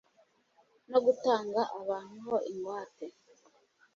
no gutanga abantu ho ingwate